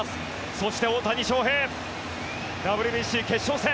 そして大谷翔平、ＷＢＣ決勝戦。